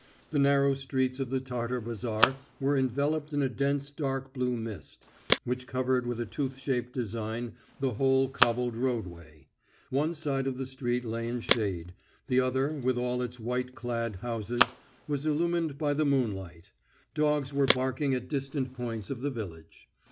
The narrow streets of the Tartar bazar were enveloped in a dense dark blue mist, which covered with a tooth shaped design the whole cobbled roadway; one side of the street lay in shade, the other, with all its white called houses, was illumined by the moonlight. Dogs were barking at distant points of the village.